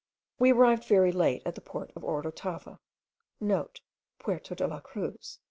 We arrived very late at the port of Orotava,* (* Puerto de la Cruz.